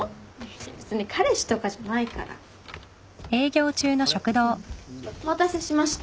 別に彼氏とかじゃないから。お待たせしました。